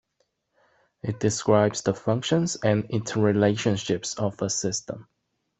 It describes the functions and interrelationships of a system.